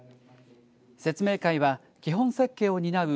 説明会は基本設計を担う